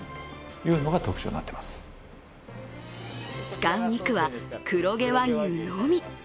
使う肉は黒毛和牛のみ。